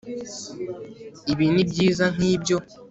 ibi nibyiza nkibyo